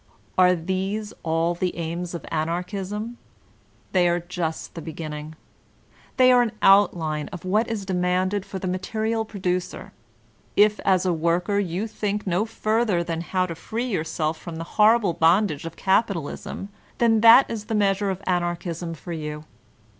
Are these all the aims of Anarchism? They are just the beginning. They are an outline of what b demanded for the material producer. If as a worker, you think no further than how to free yourself from the horrible bondage of capitalism, then that is the measure of An archism for you.